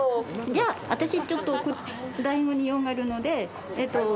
じゃあ、私、ちょっと用があるので。